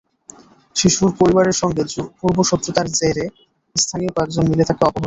শিশুর পরিবারের সঙ্গে পূর্বশত্রুতার জেরে স্থানীয় কয়েকজন মিলে তাকে অপহরণ করেন।